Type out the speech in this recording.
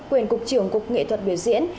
quyền cục trưởng cục nghệ thuật biểu diễn